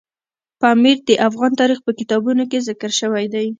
پامیر د افغان تاریخ په کتابونو کې ذکر شوی دی.